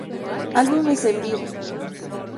Álbumes en vivo